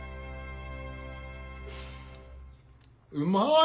うまい！